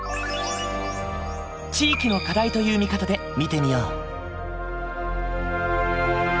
地域の課題という見方で見てみよう。